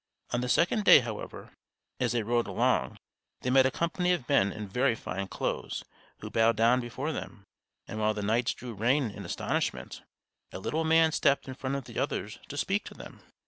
On the second day, however, as they rode along, they met a company of men in very fine clothes, who bowed down before them; and while the knights drew rein in astonishment, a little man stepped in front of the others to speak to them.